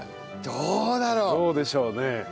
どうでしょうね？